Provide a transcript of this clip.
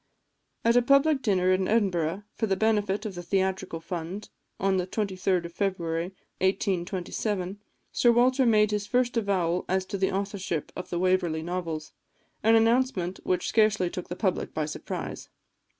At a public dinner in Edinburgh, for the benefit of the Theatrical Fund, on the 23d of February 1827, Sir Walter made his first avowal as to the authorship of the Waverley Novels, an announcement which scarcely took the public by surprise.